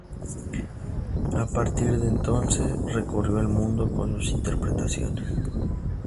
A partir de entonces, recorrió el mundo con sus interpretaciones.